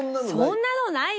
「そんなのない」？